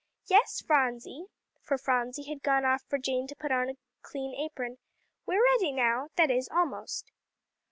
"Yes, Phronsie," for Phronsie had gone off for Jane to put on a clean apron, "we're ready now that is, almost."